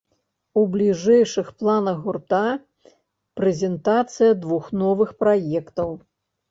У бліжэйшых планах гурта прэзентацыя двух новых праектаў.